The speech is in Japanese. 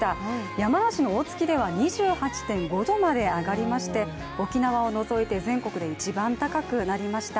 山梨の大月では２８．５度まで上がりまして沖縄を除いて全国で一番高くなりました。